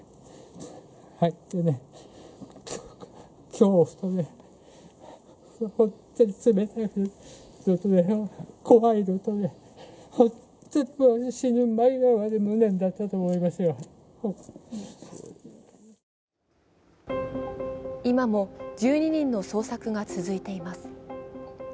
今も１２人の捜索が続いています。